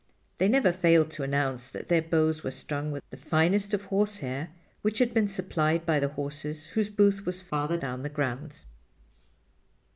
They never failed to announce that their bows were strung with the finest of horsehair which had been supplied by the horses whose booth was farther down the grounds.